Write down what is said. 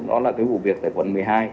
đó là cái vụ việc tại quận một mươi hai